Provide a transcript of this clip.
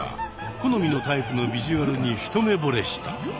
好みのタイプのビジュアルに一目ぼれした。